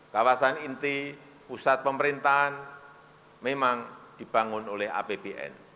kawasan inti pusat pemerintahan memang dibangun oleh apbn